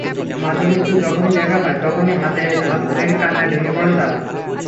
মাঝেমধ্যে যখনই দেখা হয়, তখনই হাতে হাত রেখে কান্নায় ভেঙে পড়েন তাঁরা।